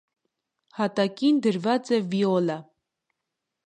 Հատակին դրված է վիոլա։